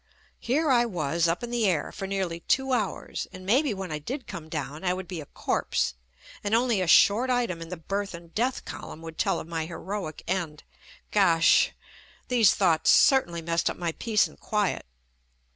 Here I was up in the air for nearly two hours, and maybe when I did come down I would be a corpse and only a short item in the "Birth and Death Column" would tell of my heroic end. Gosh! These thoughts certainly messed up my peace and quiet.